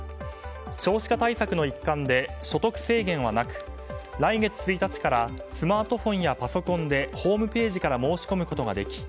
少子化対策の一環で所得制限はなく来月１日からスマートフォンやパソコンでホームページから申し込むことができ